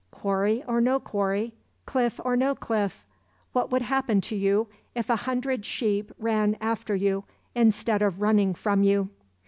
Quarry or no quarry, cliff or no cliff; what would happen to you if a hundred sheep ran after you instead of running from you?